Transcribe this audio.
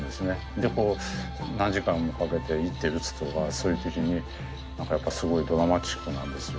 でこう何時間もかけて１手打つとかそういう時に何かやっぱすごいドラマチックなんですよ。